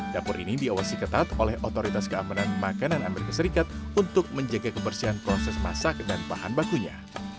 dapur ini diawasi ketat oleh otoritas keamanan makanan amerika serikat untuk menjaga kebersihan proses masak dan bahan bakunya